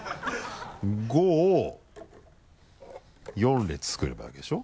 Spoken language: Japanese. ５を４列作ればいいわけでしょ。